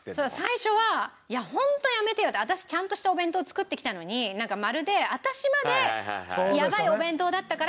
最初は「いやホントやめてよ」って「私ちゃんとしたお弁当を作ってきたのにまるで私までやばいお弁当だったから」。